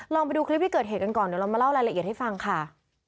ลองไปดูคลิปที่เกิดเหตุกันก่อนเดี๋ยวเรามาเล่ารายละเอียดให้ฟังค่ะ